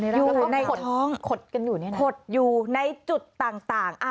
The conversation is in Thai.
อยู่ในท้องขดอยู่ในจุดต่าง